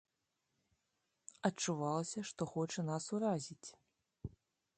Адчувалася, што хоча нас уразіць.